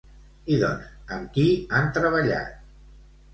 I doncs, amb qui han treballat?